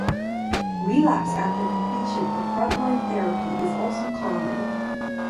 Relapse after completion of frontline therapy is also common.